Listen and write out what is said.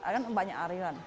ariran banyak ariran